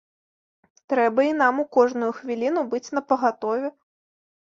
Трэба і нам у кожную хвіліну быць напагатове.